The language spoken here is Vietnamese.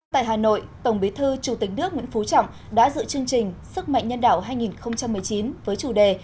tại hà nội tổng bí thư chủ tịch nước nguyễn phú trọng đã dự chương trình sức mạnh nhân đạo hai nghìn một mươi chín với chủ đề